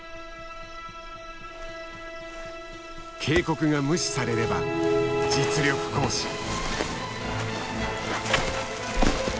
警告が無視されれば実力行使。